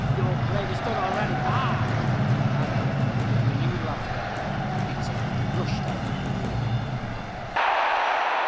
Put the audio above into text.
Your grave is dug already ha, ha!" And, with renewed laughter, Peter rushed out of the room.